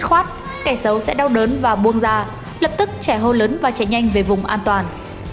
dứt khoát kẻ sâu sẽ đau đớn và buông ra lập tức trẻ hô lớn và trẻ nhanh về vùng an toàn